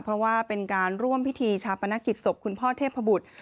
เพราะว่าเป็นการร่วมพิธีชาปนกิจศพคุณพ่อเทพบุตร